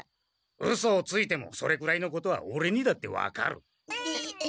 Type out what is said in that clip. うそをついてもそれぐらいのことはオレにだって分かる。